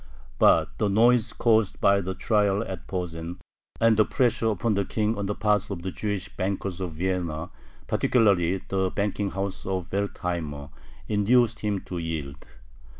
But the noise caused by the trial at Posen and the pressure upon the King on the part of the Jewish bankers of Vienna, particularly the banking house of Wertheimer, induced him to yield.